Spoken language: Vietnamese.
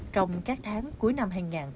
trong các tháng cuối năm hai nghìn hai mươi